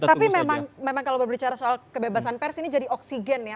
tapi memang kalau berbicara soal kebebasan pers ini jadi oksigen ya